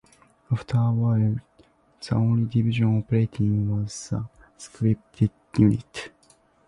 After a while, the only division operating was the scripted unit.